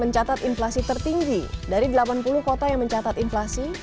mencatat inflasi tertinggi dari delapan puluh kota yang mencatat inflasi